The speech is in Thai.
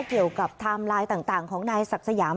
เกี่ยวกับไทม์ไลน์ต่างของนายศักดิ์สยาม